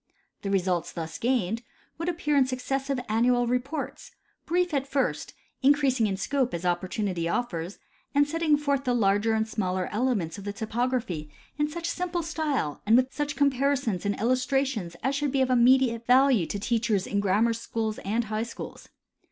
The results thus gained would appear in successive annual reports, brief at first, increasing in scope as opportunity offers, and setting forth the larger and smaller elements of the topography in sucii simple style and with such comparisons and illustrations as should be of immediate value to teachers in grammar schools and high schools.